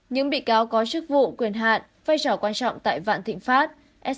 những bị cáo có chức vụ quyền hạn vai trò quan trọng tại vạn thịnh pháp